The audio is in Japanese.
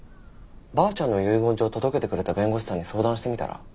ばあちゃんの遺言状届けてくれた弁護士さんに相談してみたら？